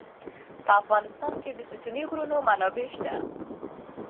په افغانستان کې د ستوني غرونه منابع شته.